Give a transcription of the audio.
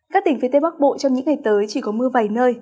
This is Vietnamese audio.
các tỉnh phía tây bắc bộ trong những ngày tới chỉ có mưa vài nơi